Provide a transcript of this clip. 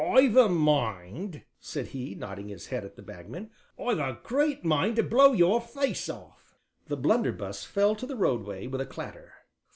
"I've a mind," said he, nodding his head at the Bagman, "I've a great mind to blow your face off." The blunderbuss fell to the roadway, with a clatter.